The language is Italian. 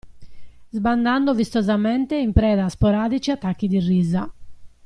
Sbandando vistosamente e in preda a sporadici attacchi di risa.